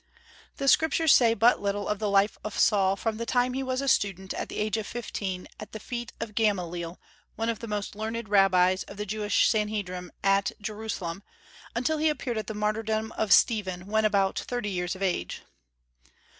The Scriptures say but little of the life of Saul from the time he was a student, at the age of fifteen, at the feet of Gamaliel, one of the most learned rabbis of the Jewish Sanhedrim at Jerusalem, until he appeared at the martyrdom of Stephen, when about thirty years of age.